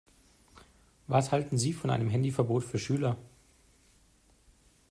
Was halten Sie von einem Handyverbot für Schüler?